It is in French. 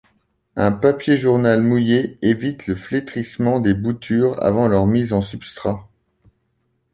Un papier journal mouillé évite le flétrissement des boutures avant leur mise en substrat.